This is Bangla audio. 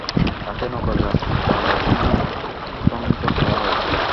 তাঁকে নগরের রাজপাড়া থানায় হস্তান্তর করা হয়।